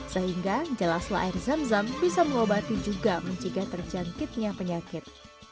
sehingga jelaslah air zam zam bisa mengobati juga mencegah terjangkitnya penyakit